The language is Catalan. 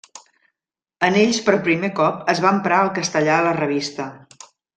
En ells per primer cop es va emprar el castellà a la revista.